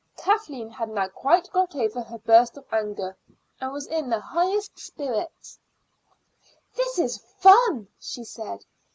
Kathleen had now quite got over her burst of anger, and was in the highest spirits. "This is fun," she said.